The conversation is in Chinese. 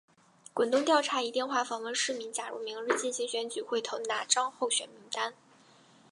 滚动调查以电话访问市民假如明日进行选举会投哪张候选名单。